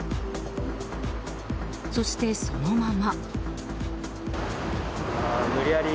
そして、そのまま。